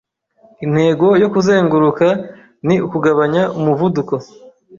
Intego yo kuzenguruka ni ukugabanya umuvuduko.